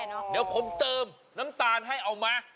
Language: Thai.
เอานี้ละกันเดี๋ยวผมเติมน้ำตาลให้เอามา